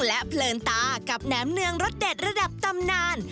และเพลินตากับแหนมเนืองรสเด็ดระดับตำนาน